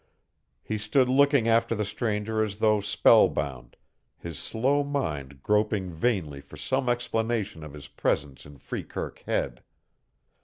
He stood looking after the stranger as though spell bound, his slow mind groping vainly for some explanation of his presence in Freekirk Head.